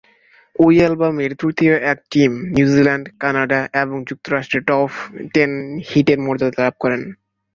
ঐ অ্যালবামের তৃতীয় একক "টিম" নিউজিল্যান্ড, কানাডা এবং যুক্তরাষ্ট্রে টপ টেন হিটের মর্যাদা লাভ করে।